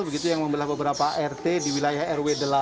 begitu yang membelah beberapa rt di wilayah rw delapan